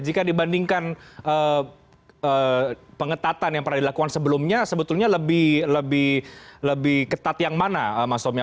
jika dibandingkan pengetatan yang pernah dilakukan sebelumnya sebetulnya lebih ketat yang mana mas somya